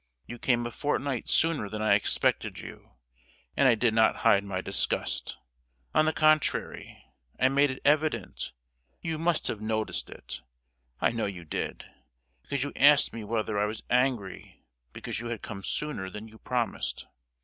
You came a fortnight sooner than I expected you, and I did not hide my disgust; on the contrary, I made it evident—you must have noticed it—I know you did; because you asked me whether I was angry because you had come sooner than you promised!